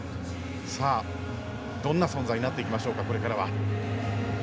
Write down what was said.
どんな存在になっていきましょうかこれからは。